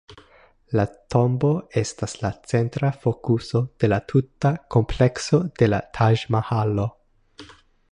La tombo estas la centra fokuso de la tuta komplekso de la Taĝ-Mahalo.